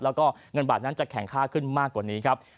แล้วก็เงินบาทนั้นจะแข็งค่าขึ้นมากกว่านี้ครับ